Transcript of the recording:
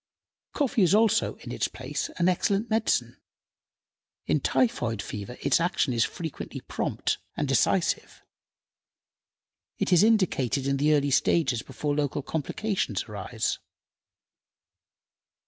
Coffee is also, in its place, an excellent medicine. In typhoid fever its action is frequently prompt and decisive. It is indicated in the early stages before local complications arise.